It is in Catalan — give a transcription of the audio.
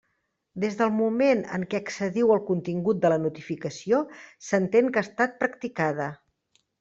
Des del moment en què accediu al contingut de la notificació, s'entén que ha estat practicada.